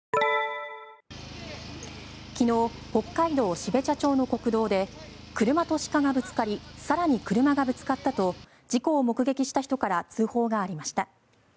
昨日、北海道標茶町の国道で車と鹿がぶつかり更に車がぶつかったと事故を目撃した人から通報がありました。